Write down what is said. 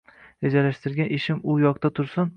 Rejalashtirgan ishim u yoqda tursin.